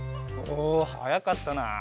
おおはやかったな。